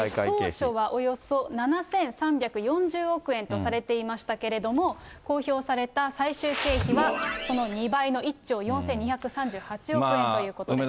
当初はおよそ７３４０億円とされていましたけれども、公表された最終経費はこの２倍の１兆４２３８億円ということです。